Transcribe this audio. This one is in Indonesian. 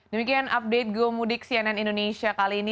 demikian update gomudik cnn indonesia kali ini